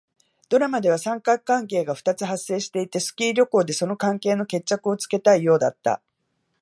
ドラマでは三角関係が二つ発生していて、スキー旅行でその関係の決着をつけたいようだった。